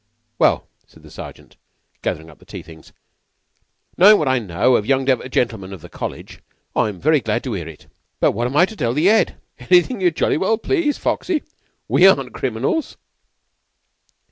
"Well," said the Sergeant, gathering up the tea things, "knowin' what I know o' the young dev gentlemen of the College, I'm very glad to 'ear it. But what am I to tell the 'Ead?" "Anything you jolly well please, Foxy. We aren't the criminals."